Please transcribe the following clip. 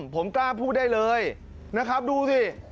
ผมกล้าพูดได้เลยนะครับดูสิ